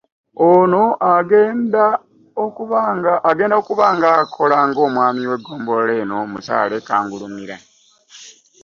Ono agenda okuba ng'akola ng'omwami w'eggombolola eno, Musaale Kangulumira